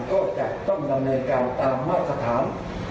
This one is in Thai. ก็จะต้องดำเนินการตามมาตรฐาน